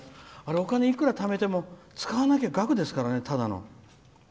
お金、いくらためても使わなかったら額ですからね、ただの。